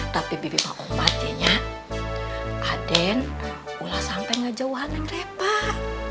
tapi bibi mak umar jadinya aden udah sampai nggak jauhan neng repah